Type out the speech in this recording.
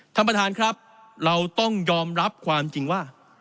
ท่านประธานครับเราต้องยอมรับความจริงว่า